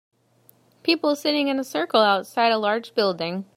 People sitting in a circle outside a large building.